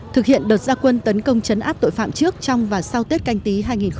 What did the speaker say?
thực hiện đợt gia quân tấn công chấn áp tội phạm trước trong và sau tết canh tí hai nghìn hai mươi